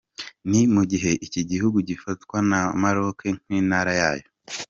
Ni mu gihe iki gihugu gifatwa na Maroc nk’intara yayo.